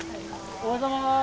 おはようございます！